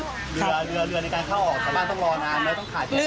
เรือในการเข้าออกข้างบ้านต้องรอนานไหมต้องขาดแทนเรือ